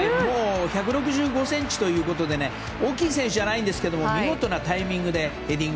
１６５ｃｍということで大きい選手じゃないんですけども見事なタイミングでヘディング。